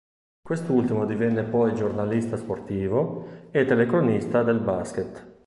Quest’ultimo divenne poi giornalista sportivo e telecronista del basket.